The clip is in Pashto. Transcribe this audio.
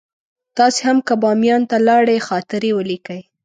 تاسې هم که بامیان ته لاړئ خاطرې ولیکئ.